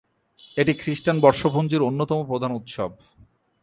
এটি খ্রিস্টান বর্ষপঞ্জির অন্যতম প্রধান উৎসব।